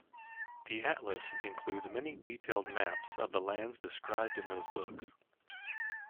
"The Atlas" includes many detailed maps of the lands described in those books.